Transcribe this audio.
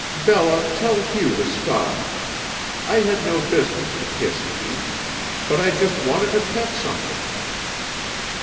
Bella, tell Hugh to stop. I had no business to kiss Pete. But I just wanted to pet something."